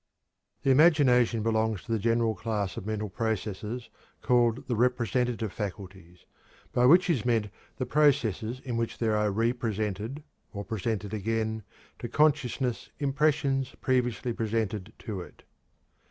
The imagination belongs to the general class of mental processes called the representative faculties, by which is meant the processes in which there are re presented, or presented again, to consciousness impressions previously presented to it.